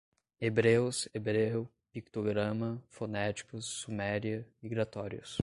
Hebreus, hebreu, pictograma, fonéticos, suméria, migratórios